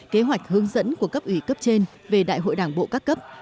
kế hoạch hướng dẫn của cấp ủy cấp trên về đại hội đảng bộ các cấp